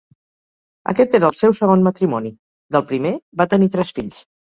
Aquest era el seu segon matrimoni; del primer, va tenir tres fills.